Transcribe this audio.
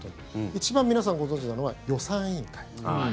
一番、皆さんご存じなのは予算委員会。